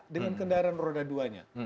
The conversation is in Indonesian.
dengan kendaraan roda dua nya